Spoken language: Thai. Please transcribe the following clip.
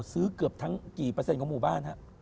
เกือบทั้งกี่เปอร์เซ็นของหมู่บ้านฮะ